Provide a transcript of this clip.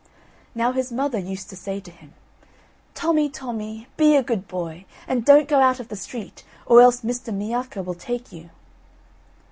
Now his mother used to say to him: "Tommy, Tommy, be a good boy, and don't go out of the street, or else Mr. Miacca will take you."